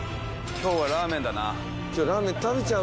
今日はラーメンだ。